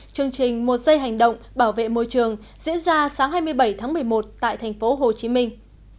chương trình một dây hành động bảo vệ môi trường diễn ra sáng hai mươi bảy tháng một mươi một tại thành phố hồ chí minh